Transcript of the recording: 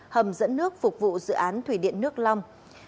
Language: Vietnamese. hầm dẫn nước phục vụ dự án thủy điện nước long